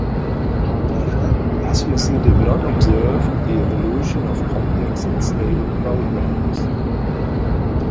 However, Rasmussen did not observe the evolution of complex and stable programs.